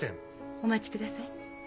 お待ちください。